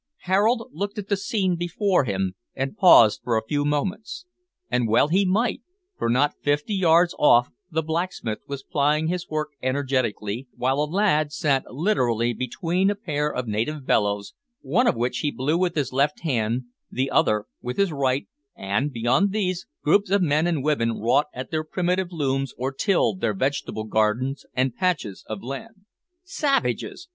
Harold looked at the scene before him, and paused for a few moments; and well he might, for not fifty yards off the blacksmith was plying his work energetically, while a lad sat literally between a pair of native bellows, one of which he blew with his left hand, the other with his right and, beyond these, groups of men and women wrought at their primitive looms or tilled their vegetable gardens and patches of land. "Savages!"